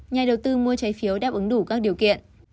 nhà đầu tư mua trái phiếu đáp ứng đủ các điều kiện